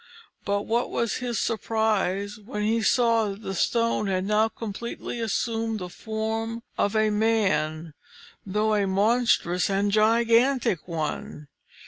But what was his surprise when he saw that the stone had now completely assumed the form of a man, though a monstrous and gigantic one!